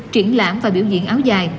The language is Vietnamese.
triển lãm và biểu diễn áo dài